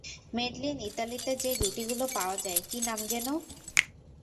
Madeline, ইতালিতে যে রুটিগুলো পাওয়া যায়, কী নাম যেন?